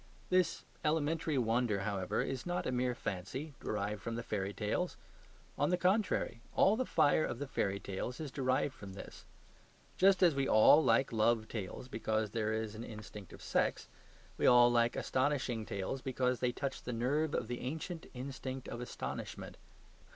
This elementary wonder, however, is not a mere fancy derived from the fairy tales; on the contrary, all the fire of the fairy tales is derived from this. Just as we all like love tales because there is an instinct of sex, we all like astonishing tales because they touch the nerve of the ancient instinct of astonishment.